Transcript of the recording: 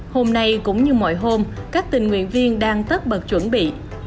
hôm nay cũng như mọi hôm các tình nguyện viên đang tất bật chuẩn bị